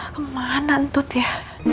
kemana untut ya